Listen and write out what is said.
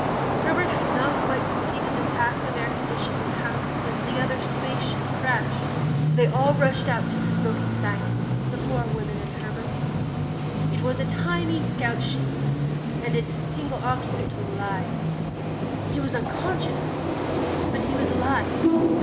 Herbert had not quite completed the task of air conditioning the house when the other spaceship crashed. They all rushed out to the smoking site the four women and Herbert. It was a tiny scoutship, and its single occupant was alive. He was unconscious, but he was alive.